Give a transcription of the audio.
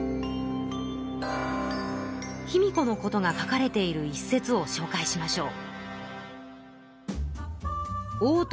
卑弥呼のことが書かれている一節をしょうかいしましょう。